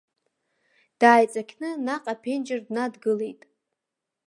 Дааиҵақьны наҟ аԥенџьыр днадгылеит.